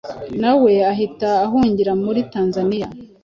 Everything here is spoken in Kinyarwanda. na we ahita ahungira muri Tanzania